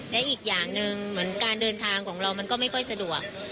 และอีกอย่างหนึ่งเหมือนการเดินทางของเรามันก็ไม่ค่อยสะดวก